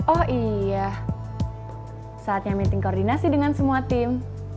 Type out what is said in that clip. oh iya saatnya meeting koordinasi dengan semua tim